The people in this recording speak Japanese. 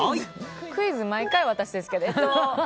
クイズ毎回私ですけど。